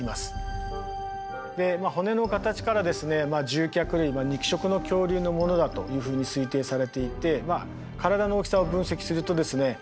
獣脚類肉食の恐竜のものだというふうに推定されていてまあ体の大きさを分析するとですね